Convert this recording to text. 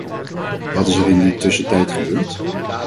Wat is er in die tussentijd gebeurd?